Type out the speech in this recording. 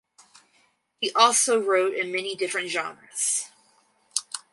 He also wrote in many different genres.